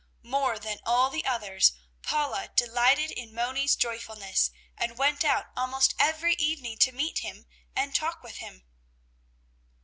More than all the others, Paula delighted in Moni's joyfulness and went out almost every evening to meet him, and talk with him.